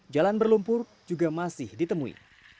jalan berlumpur juga masih ditemui